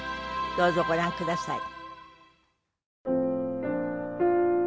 どうぞご覧ください。